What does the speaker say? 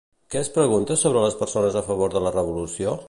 Què es pregunta sobre les persones a favor de la revolució?